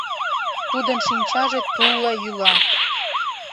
Тудын шинчаже тулла йӱла.